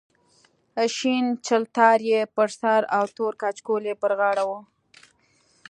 شین چلتار یې پر سر او تور کچکول یې پر غاړه و.